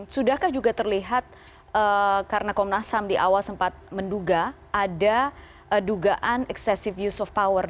sudahkah juga terlihat karena komnas ham di awal sempat menduga ada dugaan excessive use of power